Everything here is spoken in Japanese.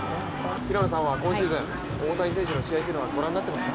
平野さんは今シーズン大谷選手の試合というのはご覧になっていますか？